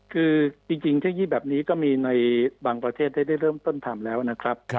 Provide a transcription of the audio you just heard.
คือจริงเทคโนโลยีแบบนี้ก็มีในบางประเทศได้เริ่มต้นทำแล้วนะครับ